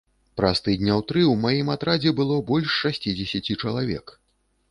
Праз тыдняў тры ў маім атрадзе было больш шасцідзесяці чалавек.